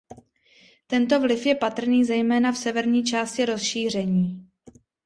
Tento vliv je patrný zejména v severní části rozšíření.